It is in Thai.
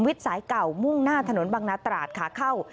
สายเก่ามุ่งหน้าถนนบังนาตราดขาเข้า